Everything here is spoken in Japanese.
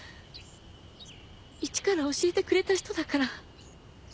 一から教えてくれた人だから。